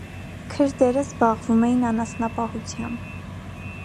Քրդերը զբաղվում էին անասնապահությամբ։